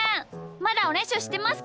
まだおねしょしてますか？